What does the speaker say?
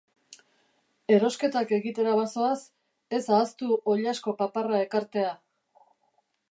Erosketak egitera bazoaz, ez ahaztu oilasko paparra ekartea.